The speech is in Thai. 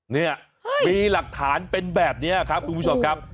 เนี่ยมีหลักฐานเป็นแบบนี้ครับคุณผู้ชมครับ